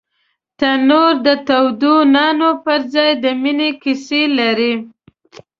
تنور د تودو نانو پر ځای د مینې کیسې لري